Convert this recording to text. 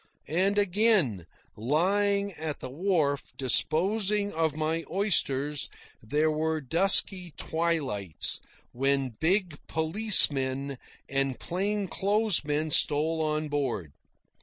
And again, lying at the wharf disposing of my oysters, there were dusky twilights when big policemen and plain clothes men stole on board.